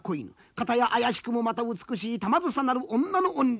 片やあやしくもまた美しい玉梓なる女の怨霊。